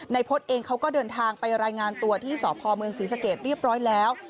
พฤษเองเขาก็เดินทางไปรายงานตัวที่สพเมืองศรีสเกตเรียบร้อยแล้ว